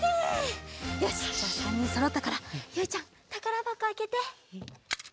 よしじゃあ３にんそろったからゆいちゃんたからばこあけて。